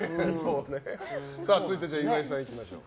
続いて岩井さんいきましょう。